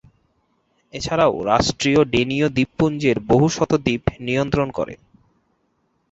এছাড়াও রাষ্ট্রটি ডেনীয় দ্বীপপুঞ্জের বহু শত দ্বীপ নিয়ন্ত্রণ করে।